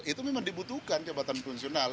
itu memang dibutuhkan jabatan fungsional